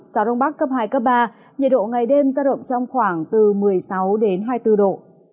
gió đông bắc cấp hai cấp ba nhiệt độ ngày đêm ra động trong khoảng từ một mươi sáu đến hai mươi bốn độ